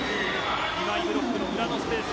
２枚ブロックの裏のスペース。